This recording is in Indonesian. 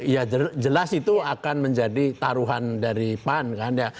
ya jelas itu akan menjadi taruhan dari pan kan ya